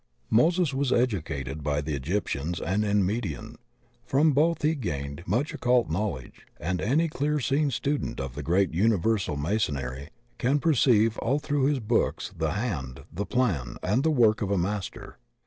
Moses was educated by the Egyptians and in Midian; from both he gained much occult knowledge, and any clear seeing student of the great Universal Masonry can perceive all throu^ his books the hand, the plan, and the work of. a master.